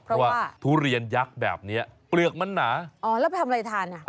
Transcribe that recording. เพราะว่าทุเรียนยักษ์แบบเนี้ยเปลือกมันหนาอ๋อแล้วไปทำอะไรทานอ่ะ